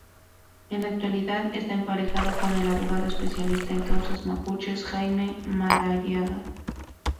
En la actualidad está emparejada con el abogado especialista en causas mapuches, Jaime Madariaga.